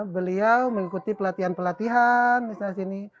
beliau mengikuti pelatihan pelatihan di sana sini